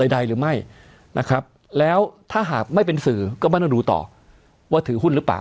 ใดหรือไม่นะครับแล้วถ้าหากไม่เป็นสื่อก็ไม่ต้องดูต่อว่าถือหุ้นหรือเปล่า